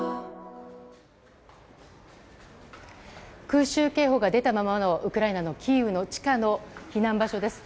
空襲警報が出たままのウクライナのキーウの地下の避難場所です。